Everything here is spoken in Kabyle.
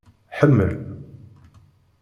Hmel.